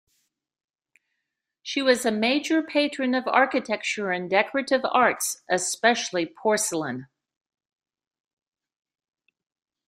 She was a major patron of architecture and decorative arts, especially porcelain.